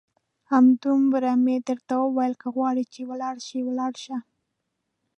همدومره مې درته وویل، که غواړې چې ولاړ شې ولاړ شه.